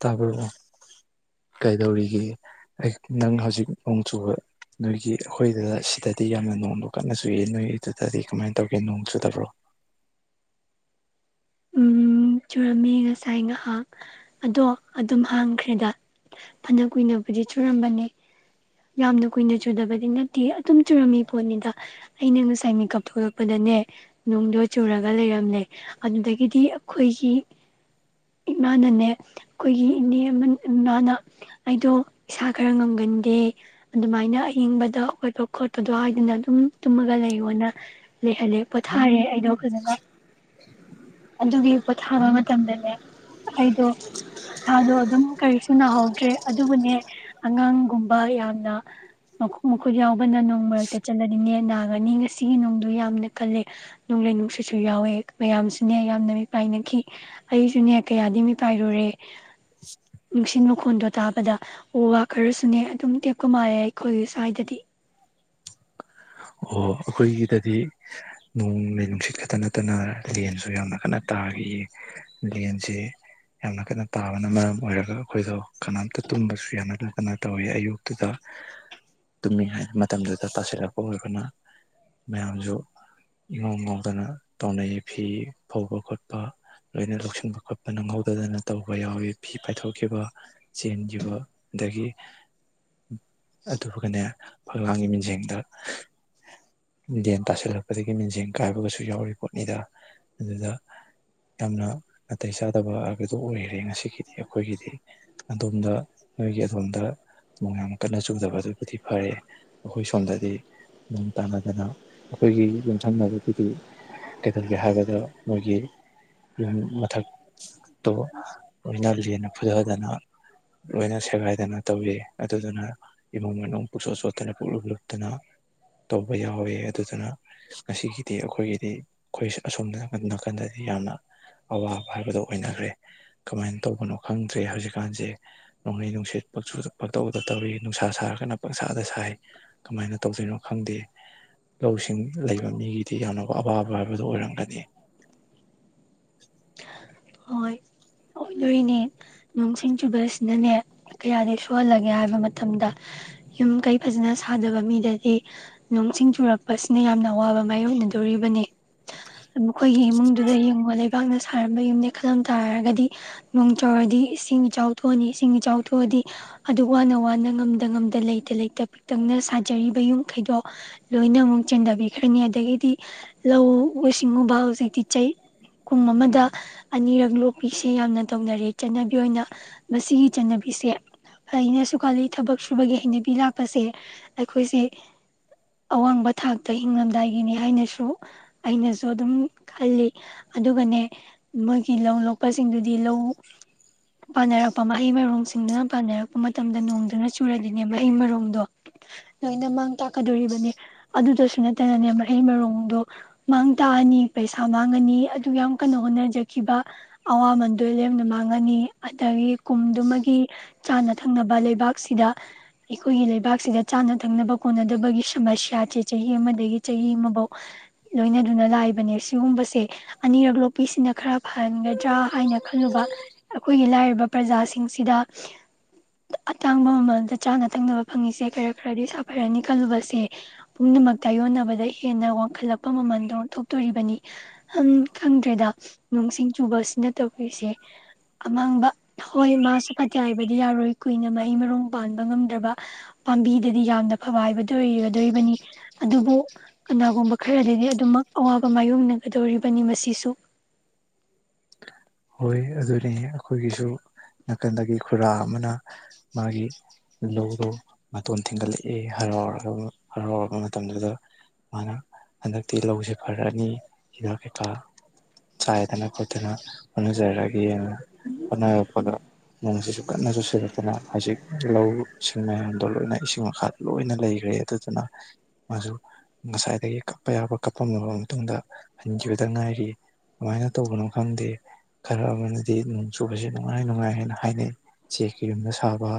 ꯇꯥꯕꯣ ꯀꯩꯗꯧꯔꯤꯒꯦ ꯅꯪ ꯍꯧꯖꯤꯛ ꯅꯣꯡ ꯆꯨꯕ ꯅꯣꯏꯒꯤ ꯑꯩꯈꯣꯏꯗꯨꯗ ꯁꯤꯗꯗꯤ ꯌꯥꯝꯅ ꯅꯣꯡꯃ ꯀꯟꯅ ꯆꯨꯏ ꯅꯣꯏꯗꯨꯗꯗꯤ ꯀꯃꯥꯏꯅ ꯇꯧꯒꯦ ꯅꯣꯡ ꯆꯨꯗꯕ꯭ꯔꯣ ꯎꯝ ꯆꯨꯔꯝꯃꯤ ꯉꯁꯥꯏ ꯉꯥꯏꯍꯥꯛ ꯑꯗꯣ ꯑꯗꯨꯝ ꯍꯥꯡꯈ꯭ꯔꯦꯗ ꯐꯅ ꯀꯨꯏꯅꯕꯨꯗꯤ ꯆꯨꯔꯝꯕꯅꯤ ꯌꯥꯝꯅ ꯀꯨꯏꯅ ꯆꯨꯗꯕꯗꯤ ꯅꯠ ꯇꯤ ꯑꯗꯨꯝ ꯆꯨꯔꯝꯃꯤ ꯄꯣꯠꯅꯤꯗ ꯑꯩꯅ ꯉꯁꯥꯏ ꯃꯦꯀꯞ ꯊꯣꯛꯂꯛ ꯄꯗꯅꯦ ꯅꯨꯡꯗꯣ ꯆꯨꯔꯒ ꯂꯩꯔꯝꯂꯦ ꯑꯗꯨꯗꯒꯤꯗꯤ ꯑꯩꯈꯣꯏꯒꯤ ꯏꯃꯥꯅꯅꯦ ꯑꯩꯈꯣꯏꯒꯤ ꯏꯅꯦ ꯏꯃꯥꯅ ꯑꯩꯗꯣ ꯏꯁꯥ ꯈꯔ ꯉꯝꯒꯟꯗꯦ ꯑꯗꯨꯃꯥꯏꯅ ꯑꯌꯤꯡꯕꯗ ꯈꯣꯠꯄ ꯈꯣꯠꯄꯗꯣ ꯍꯥꯏꯗꯅ ꯑꯗꯨꯝ ꯇꯨꯝꯃꯒ ꯂꯩꯌꯣꯅ ꯂꯩꯍꯜꯂꯦ ꯄꯣꯊꯥꯔꯦ ꯑꯗꯣ ꯐꯖꯅ ꯑꯗꯨꯒꯤ ꯄꯣꯊꯥꯕ ꯃꯇꯝꯗꯅꯦ ꯑꯩꯗꯣ ꯏꯁꯥꯗꯣ ꯑꯗꯨꯝ ꯀꯔꯤꯁꯨ ꯅꯥꯍꯧꯗ꯭ꯔꯦ ꯑꯗꯨꯕꯨꯅꯦ ꯑꯉꯥꯡꯒꯨꯝ ꯌꯥꯝꯅ ꯃꯈꯨꯣꯛ ꯃꯈꯨꯠ ꯌꯥꯎꯕꯅ ꯅꯣꯡ ꯃꯔꯛꯇ ꯆꯠꯂꯅꯤꯅꯦ ꯅꯥꯒꯅꯤ ꯉꯁꯤꯒꯤ ꯅꯨꯡꯗ ꯌꯥꯝꯅ ꯈꯜꯂꯦ ꯅꯨꯡ ꯂꯩꯩꯅꯨꯡꯁꯤꯁꯨ ꯌꯥꯎꯋꯦ ꯃꯌꯥꯝ ꯁꯨꯅꯦ ꯌꯥꯝꯅ ꯃꯤꯄꯥꯏꯅꯈꯤ ꯑꯩꯁꯨꯅꯦ ꯀꯌꯥꯗꯤ ꯃꯤꯄꯥꯏꯔꯨꯔꯦ ꯁꯤꯡ ꯈꯣꯟꯗꯣ ꯇꯥꯕꯗ ꯑꯣ ꯋꯥ ꯈꯔꯁꯨꯅꯦ ꯑꯗꯨꯝ ꯇꯦꯛꯞꯄ ꯃꯥꯜꯂꯦ ꯑꯩꯈꯣꯏꯒꯤ ꯁ꯭ꯋꯥꯏꯗꯗꯤ ꯑꯣ ꯑꯩꯈꯣꯏꯒꯤꯗꯗꯤ ꯅꯣꯡꯂꯩ ꯅꯨꯡꯁꯤꯠ ꯈꯛꯇ ꯅꯠꯇꯅ ꯂꯦꯟꯁꯨ ꯌꯥꯝꯅ ꯀꯟꯅ ꯇꯥꯈꯤꯌꯦ ꯂꯦꯟꯁꯦ ꯌꯥꯝꯅ ꯀꯟꯅ ꯇꯥꯕꯅ ꯃꯔꯝ ꯑꯣꯏꯔꯒ ꯑꯩꯈꯣꯏꯗꯣ ꯀꯅꯥꯝꯇ ꯇꯨꯝꯕꯁꯨ ꯌꯥꯝꯅ ꯀꯅ ꯇꯧꯋ ꯑꯌꯨꯛꯇꯨꯗ ꯇꯨꯝꯃꯤ ꯍꯥꯏꯥꯏ ꯃꯇꯝꯗꯨꯗ ꯇꯥꯁꯤꯜꯂꯛ ꯑꯣꯏꯕꯅ ꯃꯌꯥꯝꯁꯨ ꯏꯉꯧ ꯉꯧꯗꯅ ꯇꯧꯅꯩ ꯐꯤ ꯐꯧꯕ ꯈꯣꯠꯄ ꯂꯣꯏꯅ ꯂꯧꯁꯤꯟꯕ ꯈꯣꯠꯄ ꯅꯪꯍꯧꯗꯗꯅ ꯇꯧꯕ ꯌꯥꯎꯋꯤ ꯐꯤ ꯄꯥꯏꯊꯣꯛꯈꯤꯕ ꯆꯦꯟꯈꯤꯕ ꯑꯗꯒꯤ ꯑꯗꯨꯒꯒꯅꯦ ꯐꯛꯂꯥꯡꯒꯤ ꯃꯤꯖꯦꯡꯗ ꯂꯦꯟ ꯇꯥꯁꯤꯜꯂꯛꯄꯗꯒꯤ ꯃꯤꯡꯖꯦꯟ ꯀꯥꯏꯕꯒꯁꯨ ꯌꯥꯎꯔꯤ ꯄꯣꯠꯅꯤꯗ ꯑꯗꯨꯗ ꯌꯥꯝꯅ ꯅꯥꯇꯩ ꯆꯥꯗꯕ ꯍꯥꯏꯕꯗꯨ ꯑꯣꯏꯈꯔꯦ ꯉꯁꯤꯒꯤꯗꯤ ꯑꯩꯈꯣꯏꯒꯤꯗꯤ ꯑꯗꯣꯝꯗ ꯅꯣꯏꯒꯤ ꯑꯗꯣꯝꯗ ꯅꯣꯡ ꯌꯥꯝ ꯀꯟꯅ ꯆꯨꯗꯕ ꯑꯗꯨꯕꯨꯗꯤ ꯐꯔꯦ ꯑꯩꯈꯣꯏ ꯁꯣꯝꯗꯗꯤ ꯇꯥꯅꯗꯅ ꯑꯩꯈꯣꯏꯒꯤ ꯌꯨꯝꯊꯪꯅꯕꯒꯤꯗꯤ ꯀꯩꯗꯧꯒꯦ ꯍꯥꯏꯕꯗ ꯃꯣꯏꯒꯤ ꯌꯨꯝ ꯃꯊꯛꯇꯣ ꯂꯣꯏꯅ ꯂꯦꯟꯅ ꯐꯨꯊꯗꯅ ꯂꯣꯏꯅ ꯁꯦꯒꯥꯏꯗꯅ ꯇꯧꯋ ꯑꯗꯨꯗꯨꯅ ꯏꯃꯨꯡ ꯃꯅꯨꯡ ꯄꯨꯛ ꯁꯣꯠ ꯁꯣꯠꯇꯅ ꯄꯨꯛꯂꯨꯞ ꯂꯨꯞꯇꯅ ꯇꯧꯕ ꯌꯥꯎꯋꯦ ꯑꯗꯨꯗꯨꯅ ꯉꯁꯤꯒꯤꯗꯤ ꯑꯩꯈꯣꯏꯒꯤꯗꯤ ꯑꯩꯈꯣꯏ ꯑꯁꯣꯝꯗ ꯅꯥꯀꯟꯗꯗꯤ ꯌꯥꯝꯅ ꯑꯋꯥꯕ ꯍꯥꯏꯕꯗꯣ ꯑꯣꯏꯅꯈ꯭ꯔꯦ ꯀꯃꯥꯏꯅ ꯇꯧꯕꯅꯣ ꯈꯪꯗ꯭ꯔꯦ ꯍꯧꯖꯤꯛꯀꯥꯟꯁꯦ ꯅꯣꯡꯂꯩ ꯅꯨꯡꯁꯤꯠ ꯄ ꯄꯛꯇꯧꯗ ꯇꯧꯔꯤ ꯅꯨꯡꯁꯥ ꯁꯥꯔꯒꯅ ꯄꯪꯁꯥꯗ ꯁꯥꯏ ꯀꯃꯥꯏꯅ ꯇꯧꯗꯣꯏꯅꯣ ꯈꯪꯗꯦ ꯂꯧꯁꯤꯡ ꯂꯩꯕ ꯃꯤꯒꯤꯗꯤ ꯌꯥꯝꯅ ꯑꯋꯥꯕ ꯍꯥꯏꯕꯗꯨꯣ ꯑꯣꯏꯔꯝꯒꯅꯤ ꯍꯣꯏ ꯑꯣꯏꯗꯣꯔꯤꯅꯦ ꯅꯣꯡ ꯁꯤꯡ ꯆꯨ ꯑꯁꯤꯅꯅꯦ ꯀꯌꯥꯗꯤ ꯁꯣꯛꯍꯜꯂꯒꯦ ꯍꯥꯏꯕ ꯃꯇꯝꯗ ꯌꯨꯝ ꯀꯩ ꯐꯖꯅ ꯁꯥꯗꯕ ꯃꯤꯗꯗꯤ ꯅꯣꯡ ꯁꯤꯡ ꯆꯨꯔꯛꯄꯁꯤꯅ ꯌꯥꯝꯅ ꯑꯋꯥꯕ ꯃꯥꯏꯌꯣꯛꯅꯗꯣꯔꯤꯕꯅꯤ ꯃꯈꯣꯏꯒꯤ ꯏꯃꯨꯡꯗꯨꯗ ꯌꯦꯡꯉꯣ ꯂꯩ ꯂꯩꯕꯥꯛꯅ ꯁꯥꯔꯝꯕ ꯌꯨꯝꯅꯦ ꯈꯜꯂꯝ ꯇꯥꯔꯒꯗꯤ ꯅꯣꯡ ꯆꯨꯔꯗꯤ ꯏꯁꯤꯡ ꯏꯆꯥꯎ ꯊꯣꯛꯑꯥꯅꯤ ꯏꯁꯤꯡ ꯏꯆꯥꯎ ꯊꯣꯛꯑꯗꯤ ꯑꯗꯨ ꯋꯥꯅ ꯋꯥꯅ ꯉꯝꯗ ꯉꯝꯗ ꯂꯩꯇ ꯂꯩꯇ ꯄꯤꯛꯇꯛꯅ ꯁꯥꯖꯔꯤꯕ ꯌꯨꯝ ꯈꯩꯗꯣ ꯂꯣꯏꯅ ꯑꯃꯨꯛ ꯆꯦꯟꯊꯕꯤꯈ꯭ꯔꯅꯤ ꯑꯗꯒꯤꯗꯤ ꯂꯧ ꯁꯤꯡꯎꯨꯕ ꯍꯧꯖꯤꯛꯇꯤ ꯆꯩ ꯀꯨꯡ ꯑꯃꯗ ꯑꯅꯤꯔꯛ ꯂꯣꯛꯄꯤ ꯁꯤ ꯌꯥꯝꯅ ꯇꯧꯅꯔꯦ ꯆꯠꯅꯕꯤ ꯑꯣꯏꯅ ꯃꯁꯤꯒꯤ ꯆꯠꯅꯕꯤꯁꯦ ꯐꯩꯅꯁꯨ ꯈꯜꯂꯤ ꯊꯕꯛ ꯁꯨꯕꯒꯤ ꯍꯩꯅꯕꯤ ꯂꯥꯛꯄꯁꯦ ꯑꯩꯈꯣꯏꯁꯦ ꯑꯋꯥꯡꯕ ꯊꯥꯛꯇ ꯍꯤꯡꯡꯂꯝꯗꯥꯏꯒꯤꯅꯤ ꯍꯥꯏꯅꯁꯨ ꯑꯩꯅꯁꯨ ꯑꯗꯨꯝ ꯈꯜꯂꯤ ꯑꯗꯨꯒꯅꯦ ꯃꯣꯏꯒꯤ ꯂꯧꯂꯣꯛ ꯂꯄꯁꯤꯡꯗꯨꯗꯤ ꯂꯧ ꯄꯥꯟꯅꯔꯛꯄ ꯃꯍꯩ ꯃꯔꯣꯡꯁꯤꯡꯗꯨꯅ ꯄꯥꯟꯅꯔꯛꯄ ꯃꯇꯝꯗ ꯅꯣꯡꯗꯨꯅ ꯆꯨꯔꯗꯤꯅꯦ ꯃꯍꯩ ꯃꯔꯣꯡꯗꯣ ꯂꯣꯏꯅ ꯃꯥꯡ ꯇꯥꯛꯀꯗꯣꯔꯤꯕꯅꯦ ꯑꯗꯨꯗꯁꯨ ꯅꯠꯇꯅꯅꯦ ꯃꯍꯩ ꯃꯔꯣꯡꯗꯣ ꯃꯥꯡꯇꯥꯛ ꯑꯅꯤ ꯄꯩꯁꯥ ꯃꯥꯡꯉꯅꯤ ꯑꯗꯨꯛ ꯌꯥꯝ ꯀꯟꯅ ꯍꯣꯠꯅꯖꯈꯤꯕ ꯑꯋꯥ ꯃꯟꯗꯣ ꯂꯦꯝꯅ ꯃꯥꯡꯉꯅꯤ ꯑꯗꯒꯤ ꯀꯨꯝꯗꯨꯃꯒꯤ ꯆꯥꯅ ꯊꯛꯅꯕ ꯂꯩꯕꯥꯛꯁꯤꯗ ꯑꯩꯈꯣꯏꯒꯤ ꯂꯩꯕꯥꯛꯁꯤꯗ ꯆꯥꯅ ꯊꯛꯅꯕ ꯀꯣꯠꯅꯗꯕꯒꯤ ꯁꯃꯁ꯭ꯌꯥꯁꯦ ꯆꯍꯤ ꯑꯃꯗꯒꯤ ꯆꯍꯤ ꯑꯃꯐꯧ ꯂꯣꯏꯅꯗꯨꯅ ꯂꯥꯛꯏꯕꯅꯦ ꯁꯤꯒꯨꯝꯕꯁꯦ ꯑꯅꯤꯔꯛ ꯂꯣꯛꯄꯤꯁꯤꯅ ꯈꯔ ꯐꯍꯟ ꯍꯥꯏꯅ ꯈꯜꯂꯨꯕ ꯑꯩꯈꯣꯏꯒꯤ ꯂꯥꯏꯔꯕ ꯄ꯭ꯔꯖꯥꯁꯤꯡꯁꯤꯗ ꯑꯇꯥꯡꯕ ꯃꯃꯜꯗ ꯆꯥꯅ ꯊꯛꯅꯕ ꯐꯪꯉꯤꯁꯦ ꯈꯔ ꯈꯔꯗꯤ ꯁꯥꯐꯔꯅꯤ ꯈꯜꯂꯨꯕꯁꯦ ꯄꯨꯝꯅꯃꯛ ꯇꯥꯌꯣꯟꯅꯕꯗ ꯍꯦꯟꯅ ꯋꯥꯡꯈꯠꯂꯛꯄ ꯃꯃꯜꯗꯣ ꯊꯣꯛꯇꯣꯔꯤꯕꯅꯤ ꯍꯝ ꯈꯪꯗ꯭ꯔꯦꯗ ꯅꯣꯡꯁꯤꯡ ꯆꯨꯕ ꯅ ꯇꯧꯔꯤꯁꯦ ꯑꯃꯥꯡꯕ ꯍꯣꯏ ꯃꯥꯁꯨ ꯐꯠꯇꯦ ꯍꯥꯏꯕꯗꯤ ꯌꯥꯔꯣꯏ ꯀꯨꯏꯅ ꯍꯩ ꯃꯔꯣꯡ ꯄꯥꯟꯕ ꯉꯝꯗ꯭ꯔꯕ ꯄꯥꯝꯕꯤꯗꯗꯤ ꯌꯥꯝꯅ ꯐꯕ ꯍꯥꯏꯕꯗꯣ ꯑꯣꯏꯒꯗꯣꯔꯤꯕꯅꯤ ꯑꯗꯨꯕꯨ ꯀꯅꯥꯒꯨꯝꯕ ꯈꯔꯗꯤ ꯑꯗꯨꯝꯃꯛ ꯑꯋꯥꯕ ꯃꯥꯏꯌꯣꯛꯅꯒꯗꯧꯔꯤꯕꯅꯤ ꯃꯁꯤꯁꯨ ꯍꯣꯏ ꯑꯗꯨꯅꯤ ꯑꯩꯈꯣꯏꯒꯤꯁꯨ ꯅꯥꯀꯟꯗꯒꯤ ꯈꯨꯔꯥ ꯑꯃꯅ ꯃꯥꯒꯤ ꯂꯧꯗꯣ ꯃꯇꯣꯟ ꯊꯤꯡꯒꯠꯂꯛꯑꯦ ꯍꯔꯥꯎꯔꯒ ꯍꯔꯥꯎꯔꯕ ꯃꯇꯝꯗꯨꯗ ꯃꯥꯅ ꯍꯟꯗꯛꯇꯤ ꯂꯧꯁꯦ ꯐꯔꯛꯑꯅꯤ ꯍꯤꯗꯥꯛ ꯀꯩꯀꯥ ꯆꯥꯏꯗꯅ ꯈꯣꯠꯇꯅ ꯍꯣꯠꯅꯖꯔꯛꯑꯒꯦꯅ ꯍꯣꯠꯅꯔꯛꯄꯗ ꯅꯣꯡꯁꯤꯁꯨ ꯀꯟꯅ ꯆꯨꯁꯤꯜꯂꯛꯇꯅ ꯍꯧꯖꯤꯛ ꯂꯧ ꯁꯤꯡ ꯃꯌꯥꯝꯗꯣ ꯂꯣꯏꯅ ꯏꯁꯤꯡ ꯃꯈꯥꯗ ꯂꯣꯏꯅ ꯂꯩꯈ꯭ꯔꯦ ꯑꯗꯨꯗꯨꯅ ꯃꯥꯁꯨ ꯉꯁꯥꯏꯗꯒꯤ ꯀꯞꯄ ꯌꯥꯕ ꯀꯞꯄꯝꯃꯕ ꯃꯇꯨꯡꯗ ꯍꯟꯈꯤꯕꯗ ꯉꯥꯏꯔꯤ ꯑꯗꯨꯃꯥꯏꯅ ꯇꯧꯕꯅꯣ ꯈꯪꯗꯦ ꯈꯔ ꯑꯃꯅꯗꯤ ꯅꯣꯡ ꯆꯨꯕꯁꯤ ꯅꯨꯡꯉꯥꯏ ꯅꯨꯡꯉꯥꯏ ꯍꯥꯏꯅ ꯍꯥꯏꯅꯩ ꯆꯦꯛꯀꯤ ꯌꯨꯝꯗ ꯁꯥꯕ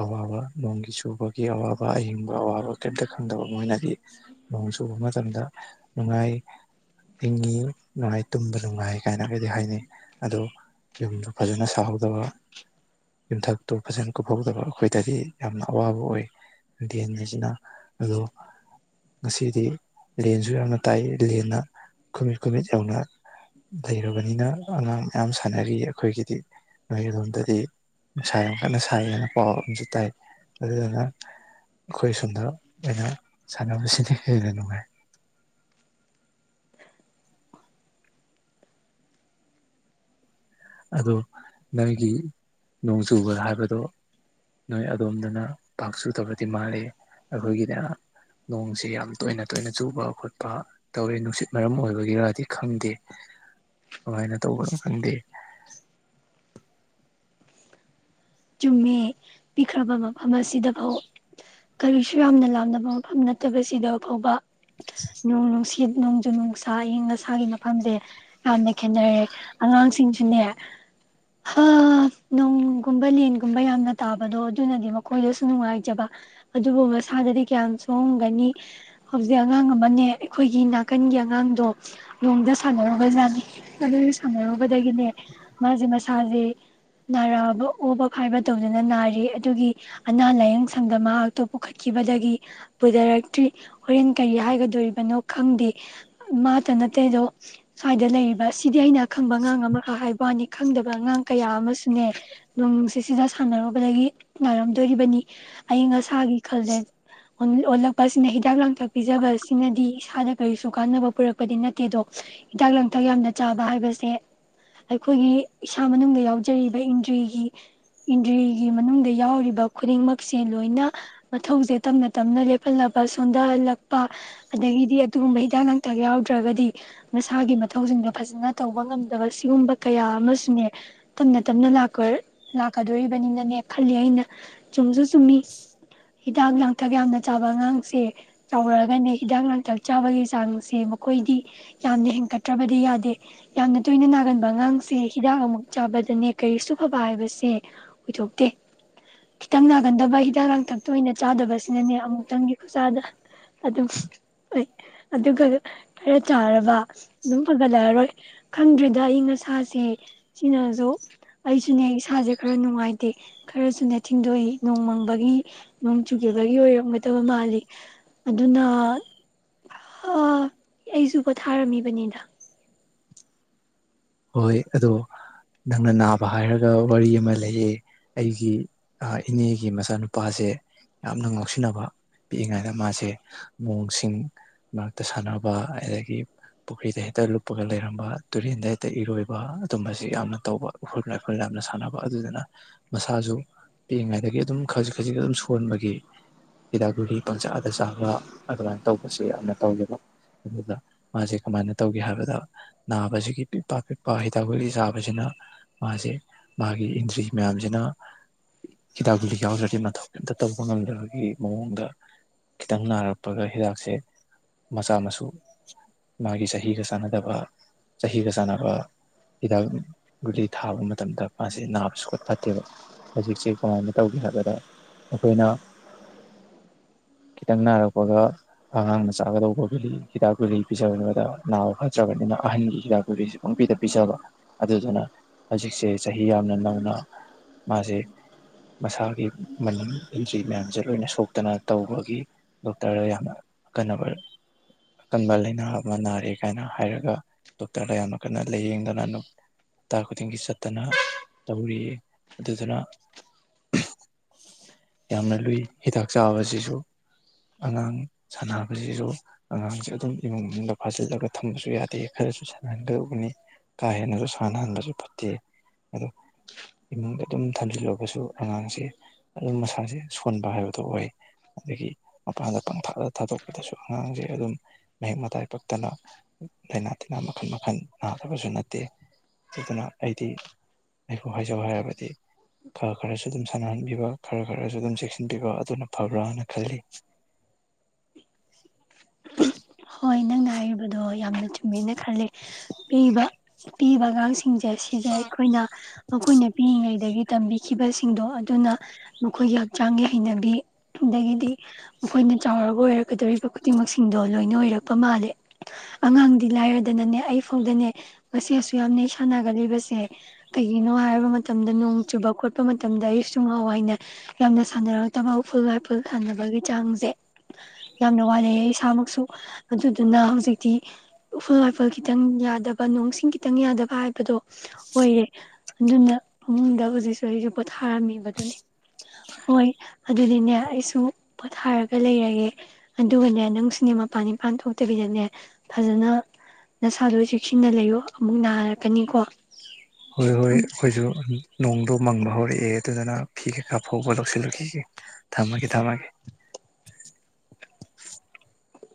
ꯑꯋꯥꯕ ꯅꯣꯡꯒꯤ ꯆꯨꯕꯒꯤ ꯑꯋꯥꯕ ꯑꯍꯤꯡꯕ ꯑꯋꯥꯕ ꯀꯔꯤꯝꯇ ꯈꯪꯗꯕ ꯃꯣꯏꯅꯗꯤ ꯅꯣꯡ ꯆꯨꯕ ꯃꯇꯝꯗ ꯅꯨꯡꯉꯥꯏ ꯏꯪꯉꯤ ꯅꯨꯡꯉꯥꯏ ꯇꯨꯝꯕ ꯅꯨꯡꯉꯥꯏ ꯀꯥꯏꯅꯒꯗꯤ ꯍꯥꯏꯅꯩ ꯑꯗꯣ ꯌꯨꯝꯗꯣ ꯐꯖꯅ ꯁꯥꯍꯧꯗꯕ ꯌꯨꯝꯊꯛꯇꯨ ꯐꯖꯅ ꯀꯨꯞꯍꯧꯗꯕ ꯑꯩꯈꯣꯏꯗꯗꯤ ꯌꯥꯝꯅ ꯑꯋꯥꯕ ꯑꯣꯏ ꯂꯦꯟ ꯍꯥꯏꯁꯤꯅ ꯑꯗꯣ ꯉꯁꯤꯗꯤ ꯂꯦꯟꯁꯨ ꯌꯥꯝꯅ ꯇꯥꯏ ꯂꯦꯟꯅ ꯈꯨꯃꯤꯠ ꯈꯨꯃꯤꯠ ꯌꯧꯅ ꯂꯩꯔꯕꯅꯤꯅ ꯑꯉꯥꯡ ꯃꯌꯥꯝ ꯁꯥꯟꯅꯔꯤ ꯑꯩꯈꯣꯏꯒꯤꯗꯤ ꯅꯣꯏꯔꯣꯝꯗꯗꯤ ꯅꯨꯡꯁꯥ ꯌꯥꯝ ꯀꯟꯅ ꯁꯥꯏ ꯍꯥꯏꯅ ꯄꯥꯎ ꯑꯃꯁꯨ ꯇꯥꯏ ꯑꯗꯨꯗꯨꯅ ꯑꯩꯈꯣꯏ ꯁꯣꯝꯗ ꯑꯣꯏꯅ ꯁꯥꯟꯅꯕꯁꯤꯅ ꯍꯦꯟꯅ ꯅꯨꯡꯉꯥꯏ ꯑꯗꯣ ꯅꯣꯏꯒꯤ ꯅꯣꯡ ꯆꯨꯕ ꯍꯥꯏꯕꯗꯣ ꯅꯣꯏ ꯑꯗꯣꯝꯗꯅ ꯄꯥꯛ ꯆꯨꯗꯕꯗꯤ ꯃꯥꯜꯂꯤ ꯑꯩꯈꯣꯏꯒꯤꯅ ꯅꯣꯡꯁꯦ ꯌꯥꯝ ꯇꯣꯏꯅ ꯇꯣꯏꯅ ꯆꯨꯕ ꯈꯣꯠꯄ ꯇꯧꯋꯦ ꯅꯨꯡꯁꯤꯠ ꯃꯔꯝ ꯑꯣꯏꯕꯒꯤꯔꯗꯤ ꯈꯪꯗꯦ ꯀꯃꯥꯏꯅ ꯇꯧꯕꯅꯣ ꯈꯪꯗꯦ [inaudible] ꯆꯨꯝꯃꯤ ꯄꯤꯛꯈ꯭ꯔꯕ ꯃꯐꯝ ꯑꯁꯤꯗꯐꯥꯎ ꯀꯔꯤꯁꯨ ꯌꯥꯝꯅ ꯂꯥꯝꯅꯕ ꯃꯐꯝ ꯅꯠꯇꯕꯁꯤꯗ ꯐꯥꯎꯕ ꯅꯣꯡ ꯅꯨꯡꯁꯤꯠ ꯅꯣꯡꯖꯨ ꯅꯨꯡꯁꯥ ꯑꯏꯪ ꯑꯁꯥꯒꯤ ꯃꯐꯝꯁꯦ ꯌꯥꯝꯅ ꯈꯦꯟꯅꯔꯦ ꯑꯉꯥꯡꯁꯤꯡꯁꯨꯅꯦ ꯍꯥ ꯅꯣꯡ ꯀꯨꯝꯕ ꯂꯦꯟꯒꯨꯝꯕ ꯌꯥꯝꯅ ꯇꯥꯕꯗꯣ ꯑꯗꯨꯅꯗꯤ ꯃꯈꯣꯏꯗꯁꯨ ꯅꯨꯡꯉꯥꯏꯖꯕ ꯑꯗꯨꯕꯨ ꯃꯁꯥꯗꯗꯤ ꯀꯌꯥꯝ ꯁꯣꯡꯑꯝꯒꯅꯤ ꯍꯧꯖꯤꯛ ꯑꯉꯥꯡ ꯑꯃꯅꯦ ꯑꯩꯈꯣꯏꯒꯤ ꯅꯥꯀꯟꯒꯤ ꯑꯉꯥꯡꯗꯣ ꯅꯣꯡꯗ ꯁꯥꯟꯅꯔꯨꯕꯖꯥꯠꯅꯦ ꯑꯗꯨ ꯁꯥꯟꯅꯔꯨꯕꯗꯒꯤꯅꯦ ꯃꯥꯁꯦ ꯃꯁꯥꯁꯦ ꯅꯥꯔꯛꯑꯕ ꯑꯣꯕ ꯐꯥꯏꯕ ꯇꯧꯗꯨꯅ ꯅꯥꯔꯤ ꯑꯗꯨꯒꯤ ꯑꯅꯥ ꯂꯥꯏꯌꯦꯡ ꯁꯪꯗ ꯃꯍꯥꯛꯇꯣ ꯄꯨꯈꯠꯈꯤꯕꯗꯒꯤ ꯄꯨꯊꯔꯛꯇ꯭ꯔꯤ ꯍꯣꯔꯦꯟ ꯀꯔꯤ ꯍꯥꯏꯒꯗꯣꯔꯤꯕꯅꯣ ꯈꯪꯗꯦ ꯃꯥꯇ ꯅꯠꯇꯦꯗꯣ ꯁ꯭ꯋꯥꯏꯗ ꯂꯩꯔꯤꯕ ꯁꯤꯗꯤ ꯑꯩꯅ ꯈꯪꯕ ꯑꯉꯥꯡ ꯑꯃꯈꯛ ꯍꯥꯏꯕ ꯋꯥꯅꯤ ꯈꯪꯗꯕꯥ ꯑꯉꯥꯡ ꯀꯌꯥ ꯑꯃꯁꯨꯅꯦ ꯁꯤꯗ ꯁꯥꯟꯅꯔꯨꯕꯗꯒꯤ ꯅꯥꯔꯛꯇꯨꯔꯤꯕꯅꯤ ꯑꯌꯤꯡ ꯑꯁꯥ ꯊꯥꯒꯤ ꯈꯜꯂꯦ ꯑꯣꯜꯂꯛꯄ ꯑꯁꯤꯅ ꯍꯤꯗꯥꯛ ꯂꯥꯡꯊꯛ ꯄꯤꯖꯕ ꯑꯁꯤꯅꯗꯤ ꯏꯁꯥꯗ ꯀꯔꯤꯁꯨ ꯀꯥꯟꯅꯕ ꯄꯨꯔꯛꯄꯗꯤ ꯅꯠꯇꯦ ꯑꯗꯣ ꯍꯤꯗꯥꯛ ꯂꯥꯡꯊꯛ ꯌꯥꯝꯅ ꯆꯥꯕ ꯍꯥꯏꯕꯁꯦ ꯑꯩꯈꯣꯏꯒꯤ ꯏꯁꯥ ꯃꯅꯨꯡꯗ ꯌꯥꯎꯖꯔꯤꯕ ꯏꯟꯗ꯭ꯔꯤ ꯏꯟꯗ꯭ꯔꯤꯒꯤ ꯃꯅꯨꯡꯗ ꯌꯥꯎꯔꯤꯕ ꯈꯨꯗꯤꯡꯃꯛꯁꯦ ꯂꯣꯏꯅ ꯃꯊꯧꯁꯦ ꯇꯞꯅ ꯇꯞꯅ ꯂꯦꯞꯍꯜꯂꯕ ꯁꯣꯟꯊꯍꯜꯂꯛꯄ ꯑꯗꯒꯤꯗꯤ ꯑꯗꯨꯒꯨꯝꯕ ꯍꯤꯗꯥꯛ ꯂꯥꯡꯇꯛ ꯌꯥꯎꯗ꯭ꯔꯒꯗꯤ ꯃꯁꯥꯒꯤ ꯃꯊꯧꯁꯤꯡꯗꯣ ꯐꯖꯅ ꯇꯧꯕ ꯉꯝꯗꯕ ꯁꯤꯒꯨꯝꯕ ꯀꯌꯥ ꯑꯃꯁꯨꯅꯦ ꯇꯞ ꯅ ꯇꯞꯅ ꯂꯥꯛꯀ ꯂꯥꯛꯀꯗꯣꯔꯤꯕꯅꯤꯅꯅꯦ ꯈꯜꯂꯤ ꯑꯩꯅ ꯆꯨꯝꯁꯨ ꯆꯨꯝꯃꯤ ꯍꯤꯗꯥꯛ ꯂꯥꯡꯊꯛ ꯌꯥꯝꯅ ꯆꯥꯕ ꯑꯉꯥꯡꯁꯦ ꯆꯥꯎꯔꯛꯒꯅꯦ ꯍꯤꯗꯥꯛ ꯂꯥꯡꯊꯛ ꯆꯥꯕꯒꯤ ꯆꯥꯡꯁꯦ ꯃꯈꯣꯏꯗꯤ ꯌꯥꯝꯅ ꯍꯦꯟꯀꯠꯇ꯭ꯔꯕꯗꯤ ꯌꯥꯗꯦ ꯌꯥꯝꯅ ꯇꯣꯏꯅ ꯅꯥꯒꯟꯕ ꯑꯉꯥꯡꯁꯦ ꯍꯤꯗꯥꯛ ꯑꯃꯨꯛ ꯆꯥꯕꯗꯅꯦ ꯀꯔꯤꯁꯨ ꯁꯦ ꯑꯣꯏꯊꯣꯛꯇꯦ ꯈꯤꯇꯪ ꯅꯥꯒꯟꯗꯕ ꯍꯤꯗꯥꯛ ꯂꯥꯡꯊꯛꯇ ꯑꯣꯏꯅ ꯆꯥꯗꯕꯁꯤꯅꯅꯦ ꯑꯃꯨꯛꯇꯪꯒꯤ ꯈꯨꯁꯥꯗ ꯑꯗꯨꯝ ꯍ ꯑꯗꯨꯒ ꯈꯔ ꯆꯥꯔꯕ ꯑꯗꯨꯝ ꯐꯒꯠꯂꯛꯑꯔꯣꯏ ꯈꯪꯗ꯭ꯔꯤꯗ ꯑꯏꯪ ꯑꯁꯥꯁꯦ ꯁꯤꯅꯁꯨ ꯑꯩꯁꯨ ꯁꯨꯅꯦ ꯏꯁꯥꯁꯦ ꯈꯔ ꯅꯨꯡꯉꯥꯏꯇꯦ ꯈꯔꯁꯨꯅꯦ ꯊꯤꯟꯗꯣꯛꯏ ꯅꯣꯡꯃꯪꯕꯒꯤ ꯅꯣꯡ ꯆꯨꯒꯤꯈꯤꯕꯒꯤ ꯑꯣꯏꯔꯝꯒꯗꯕ ꯃꯥꯜꯂꯤ ꯑꯗꯨꯅ ꯑꯩꯁꯨ ꯄꯣꯊꯥꯔꯝꯃꯤꯕꯅꯤꯗ ꯍꯣꯏ ꯑꯗꯣ ꯅꯪꯅ ꯅꯥꯕ ꯍꯥꯏꯔꯒ ꯋꯥꯔꯤ ꯑꯃ ꯂꯩꯌꯦ ꯑꯩꯒꯤ ꯏꯅꯦꯒꯤ ꯃꯆꯥꯅꯨꯄꯥꯁꯦ ꯌꯥꯝꯅ ꯉꯥꯎꯁꯤꯟꯅꯕ ꯄꯤꯛꯏꯉꯩꯗ ꯃꯥꯁꯦ ꯃꯣꯡꯁꯤꯡ ꯃꯔꯛꯇ ꯁꯥꯟꯅꯕ ꯑꯗꯒꯤ ꯄꯨꯈ꯭ꯔꯤꯗ ꯍꯦꯛꯇ ꯂꯨꯞꯄꯒ ꯂꯩꯔꯝꯕ ꯇꯨꯔꯦꯟꯗ ꯑꯇꯩ ꯏꯔꯣꯏꯕ ꯑꯗꯨꯨꯝꯕꯁꯤ ꯌꯥꯝꯅ ꯇꯧꯕ ꯎꯈꯨꯜ ꯑꯩꯈꯨꯜꯅ ꯌꯥꯝꯅ ꯁꯥꯟꯅꯕ ꯑꯗꯨꯗꯨꯅ ꯃꯁꯥꯁꯨ ꯄꯤꯛꯏꯉꯩꯗꯒꯤ ꯑꯗꯨꯝ ꯈꯖꯤꯛ ꯈꯖꯤꯛ ꯑꯗꯨꯝ ꯁꯣꯟꯕꯒꯤ ꯍꯤꯗꯥꯛ ꯒꯨꯔꯤ ꯄꯪꯆꯥꯥ ꯑꯗ ꯆꯥꯕ ꯑꯗꯨꯃꯥꯏꯅ ꯇꯧꯕꯁꯦ ꯌꯥꯝꯅ ꯇꯧꯋꯕ ꯑꯗꯨꯗ ꯃꯥꯁꯦ ꯀꯃꯥꯏꯅ ꯇꯧꯒꯦ ꯍꯥꯏꯕꯗ ꯅꯥꯕꯁꯤꯒꯤ ꯄꯥꯛꯄꯤꯛꯄ ꯍꯤꯗꯥꯛ ꯒꯨꯂꯤ ꯁꯥꯕꯁꯤꯅ ꯃꯥꯁꯦ ꯃꯥꯒꯤ ꯏꯟꯗ꯭ꯔꯤ ꯃꯌꯥꯝꯁꯤꯅ ꯍꯤꯗꯥꯛ ꯒꯨꯂꯤ ꯌꯥꯎꯗ꯭ꯔꯗꯤ ꯃꯊꯧ ꯀꯩꯝꯇ ꯇꯧꯕ ꯉꯝꯗꯕꯒꯤ ꯃꯑꯣꯡꯗ ꯈꯤꯇꯪ ꯅꯥꯔꯛꯄꯒ ꯍꯤꯗꯥꯛꯁꯦ ꯃꯆꯥ ꯃꯁꯨ ꯃꯥꯒꯤ ꯆꯍꯤꯒ ꯆꯥꯟꯅꯗꯕ ꯆꯍꯤꯒ ꯆꯥꯟ ꯑꯗꯨꯒ ꯍꯤꯗꯥꯛ ꯒꯨꯂꯤ ꯊꯥꯕ ꯃꯇꯝꯗ ꯃꯥꯁꯦ ꯅꯥꯕꯁꯨ ꯈꯣꯠ ꯐꯠꯇꯦꯕ ꯍꯧꯖꯤꯛꯁꯦ ꯀꯃꯥꯏꯅ ꯇꯧꯒꯦ ꯍꯥꯏꯕꯗ ꯑꯩꯈꯣꯏꯅ ꯈꯤꯇꯪ ꯅꯥꯔꯛꯄꯒ ꯑꯉꯥꯡꯅ ꯆꯥꯒꯗꯧꯕ ꯒꯨꯂꯤ ꯍꯤꯗꯥꯛ ꯒꯨꯂꯤ ꯄꯤꯖꯕꯗ ꯅꯥꯕ ꯐꯠꯇ꯭ꯔꯕꯅꯤꯅ ꯑꯍꯟꯒꯤ ꯍꯤꯗꯥꯛ ꯨꯂꯤꯁꯤꯦ ꯄꯄꯤꯗ ꯄꯤꯖꯕ ꯑꯗꯨꯗꯨꯅ ꯍꯧꯖꯤꯛꯁꯦ ꯆꯍꯤ ꯌꯥꯝꯅ ꯅꯧꯅ ꯃꯥꯁꯦ ꯃꯁꯥꯒꯤ ꯃꯅꯤꯡ ꯏꯟꯇ꯭ꯔꯤ ꯃꯌꯥꯝꯁꯦ ꯂꯣꯏꯅ ꯁꯣꯛꯇꯅ ꯇꯧꯕꯒꯤ ꯗꯣꯛꯇꯔꯗ ꯌꯥꯝꯅ ꯑꯀꯟꯅꯕ ꯑꯀꯟꯕ ꯂꯥꯏꯅꯥ ꯑꯃ ꯅꯥꯔꯦ ꯀꯥꯏꯅ ꯍꯥꯏꯔꯒ ꯗꯣꯛꯇꯔꯗ ꯌꯥꯝꯅ ꯀꯩꯅ ꯂꯥꯏꯌꯦꯡꯗꯅ ꯍꯞꯇꯥ ꯈꯨꯗꯤꯡꯒꯤ ꯆꯠꯇꯅ ꯇꯧꯔꯤꯌꯦ ꯑꯗꯨꯗꯨꯅ ꯌꯥꯝꯅ ꯂꯨꯏ ꯍꯤꯗꯥꯛ ꯆꯥꯕꯁꯤꯁꯨ ꯑꯉꯥꯡ ꯁꯥꯟꯅꯕꯁꯤꯁꯨ ꯑꯉꯥꯡꯁꯦ ꯑꯗꯨꯝ ꯏꯃꯨꯡ ꯃꯅꯨꯡꯗꯗ ꯐꯥꯖꯤꯜꯂꯒ ꯊꯝꯕꯁꯨ ꯌꯥꯗꯦ ꯈꯔꯁꯨ ꯁꯥꯟꯅꯍꯟꯒꯗꯧꯕꯅꯤ ꯀꯥ ꯍꯦꯟꯅꯁꯨ ꯁꯥꯟꯅꯍꯟꯕꯁꯨ ꯐꯠꯇꯦ ꯑꯗꯣ ꯏꯃꯨꯡꯗ ꯑꯗꯨꯝ ꯊꯝꯖꯤꯜꯂꯒꯁꯨ ꯑꯉꯥꯡꯁꯦ ꯑꯗꯨꯝ ꯃꯁꯥꯁꯦ ꯁꯣꯟꯕ ꯍꯥꯏꯕꯗꯣ ꯑꯣꯏ ꯑꯗꯒꯤ ꯃꯄꯥꯟꯗ ꯄꯪꯊꯥꯛꯂ ꯊꯥꯗꯣꯛꯄꯗꯁꯨ ꯑꯉꯥꯡꯁꯦ ꯑꯗꯨꯝ ꯃꯍꯤꯛ ꯃꯇꯥꯏ ꯄꯛꯇꯅ ꯂꯥꯏꯅꯥ ꯇꯤꯟꯅꯥ ꯃꯈꯜ ꯃꯈꯜ ꯅꯥꯗꯕꯁꯨ ꯅꯠꯇꯦ ꯑꯗꯨꯅ ꯑꯩꯗꯤ ꯑꯩꯕꯨ ꯍꯥꯏꯖꯧ ꯍꯥꯏꯔꯕꯗꯤ ꯈ ꯈꯔꯁꯤ ꯁꯥꯟꯅꯍꯟꯕꯤꯕ ꯈꯔ ꯈꯔꯁꯨ ꯑꯗꯨꯝ ꯆꯦꯛꯁꯤꯟꯕꯤꯕ ꯑꯗꯨꯅ ꯐꯕ꯭ꯔꯥꯅ ꯈꯜꯂꯤ ꯎꯝ ꯍꯣꯏ ꯅꯪꯅ ꯍꯥꯏꯔꯤꯕꯗꯣ ꯌꯥꯝꯅ ꯆꯨꯝꯃꯦꯅ ꯈꯂꯦ ꯄꯤꯕ ꯄꯤꯕ ꯑꯉꯥꯡꯁꯤꯡꯁꯦ ꯁꯤꯁꯦ ꯑꯩꯈꯣꯏꯅ ꯃꯈꯣꯏꯅ ꯄꯤꯛꯏꯉꯩꯗꯒꯤ ꯇꯝꯕꯤꯈꯤꯕ ꯁꯤꯡꯗꯣ ꯑꯗꯨꯅ ꯃꯈꯣꯏꯒꯤ ꯍꯛꯆꯥꯡꯒꯤ ꯍꯩꯅꯕꯤ ꯑꯗꯒꯤꯗꯤ ꯑꯩꯈꯣꯏꯅ ꯆꯥꯎꯔꯒ ꯑꯣꯏꯔ ꯑꯣꯏꯩꯗꯧꯔꯤꯕ ꯈꯨꯗꯤꯡꯃꯛꯁꯤꯡꯗꯣ ꯂꯣꯏꯅ ꯑꯣꯏꯔꯛꯄ ꯃꯥꯜꯂꯦ ꯑꯉꯥꯡꯗꯤ ꯂꯥꯏꯔꯗꯅꯅꯦ ꯑꯩꯐꯥꯎꯗꯅꯦ ꯉꯁꯤ ꯑꯁꯨ ꯌꯥꯝꯅ ꯁꯥꯟꯅꯒꯂꯤꯕꯁꯦ ꯀꯩꯒꯤꯅꯣ ꯍꯥꯏꯔꯕ ꯃꯇꯝꯗ ꯅꯣꯡ ꯆꯨꯕ ꯈꯣꯠꯄ ꯃꯇꯝꯗ ꯑꯩꯁꯨ ꯉꯥꯎꯋꯥꯏꯅ ꯌꯥꯝꯅ ꯁꯥꯟꯅꯔꯛꯇꯕ ꯎꯐꯨꯜ ꯋꯥꯏꯐꯨꯜ ꯁꯥꯟꯅꯕꯒꯤ ꯆꯥꯡꯁꯦ ꯌꯥꯝꯅ ꯋꯥꯠꯅꯑꯌꯦ ꯏꯁꯥꯃꯛꯁꯨ ꯑꯗꯨꯗꯨꯅ ꯍꯧꯖꯤꯛꯇꯤ ꯎꯐꯨꯜ ꯋꯥꯏꯐꯨꯜ ꯈꯤꯇꯪ ꯌꯥꯗꯕ ꯅꯣꯡꯁꯤꯡ ꯈꯤꯇꯪ ꯌꯥꯗꯕ ꯍꯥꯏꯕꯗꯣ ꯑꯣꯏꯌꯦꯦ ꯑꯗꯨꯅ ꯏꯃꯨꯡꯗ ꯍꯧꯖꯤꯛꯁꯨ ꯑꯩꯁ ꯄꯣꯊꯥꯔꯝꯃꯤꯕꯗꯨꯅꯦ ꯍꯣꯏ ꯑꯗꯨꯗꯤꯅꯦ ꯑꯩꯁꯨ ꯄꯣꯊꯥꯔꯒ ꯂꯩꯔꯒꯦ ꯑꯗꯨꯒꯅꯦ ꯅꯪꯁꯨꯅꯦ ꯄꯥꯜ ꯅꯤꯄꯥꯟ ꯊꯣꯛꯇꯕꯤꯗꯅꯦ ꯐꯖꯅ ꯅꯁꯥꯗꯣ ꯆꯦꯛꯁꯤꯟꯅ ꯂꯩꯌꯣ ꯑꯃꯨꯛ ꯅꯥꯔꯛꯀꯅꯤꯀꯣ ꯍꯣꯏ ꯍꯣꯏ ꯊꯝꯃꯦ ꯑꯩꯈꯣꯏꯁꯨ ꯅꯣꯡꯗꯣ ꯃꯪꯕ ꯍꯧꯔꯛꯑꯦ ꯑꯗꯨꯗꯨꯅ ꯐꯤ ꯀꯩꯀꯥ ꯐꯥꯎꯕ ꯂꯧꯁꯤꯜꯂꯈꯤꯒꯦ ꯊꯝꯃꯒꯦ ꯊꯝꯃꯒꯦ